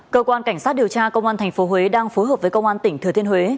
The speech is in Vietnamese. cơ quan cảnh sát điều tra công an tp huế đang phối hợp với công an tỉnh thừa thiên huế